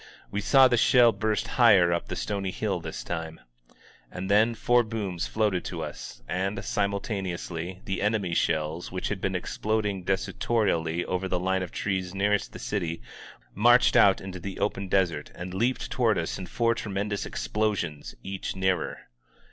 We saw the shell burst higher up the stony hill this time. And then four booms floated to us, and, simultaneously, the en emy's shells, which had been exploding desultorily over the line of trees nearest the city, marched out into the open desert and leaped toward us in four tremendous explosions, each nearer.